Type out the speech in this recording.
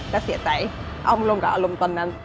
ก็เสียใจเอามาลงกับอารมณ์ตอนนั้น